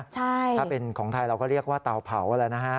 ถ้าเป็นของไทยเราก็เรียกว่าเตาเผาแล้วนะฮะ